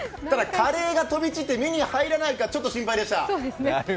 ただカレーが飛び散って目に入らないか、ちょっと心配でした。